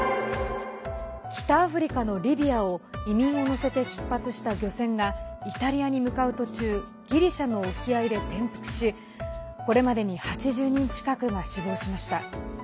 北アフリカのリビアを移民を乗せて出発した漁船がイタリアに向かう途中ギリシャの沖合で転覆しこれまでに８０人近くが死亡しました。